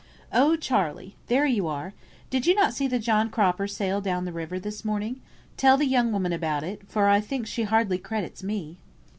"Oh, Charley! there you are! Did you not see the John Cropper sail down the river this morning? Tell the young woman about it, for I think she hardly credits me."